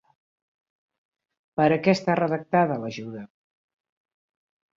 Per a què està redactada l'ajuda?